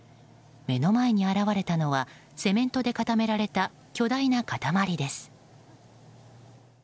目の前に現れたのはセメントで固められた巨大な塊です。